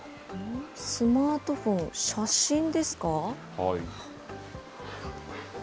スマートフォン、写真ですか？